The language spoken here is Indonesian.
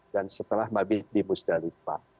dan setelah mabih di musdalifah